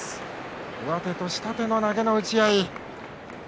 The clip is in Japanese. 上手と下手の投げの打ち合い。